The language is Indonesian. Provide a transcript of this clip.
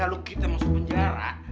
kalau kita masuk penjara